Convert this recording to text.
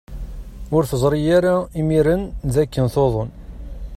Ur teẓri ara imiren d akken tuḍen.